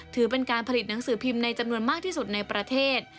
ถือเป็นการผลิตหนังสือพิมพ์ในจำนวนมากที่สุดในประเทศ